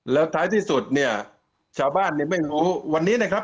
แล้วท้ายที่สุดเนี่ยชาวบ้านเนี่ยไม่รู้วันนี้นะครับ